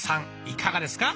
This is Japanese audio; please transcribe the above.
いかがですか？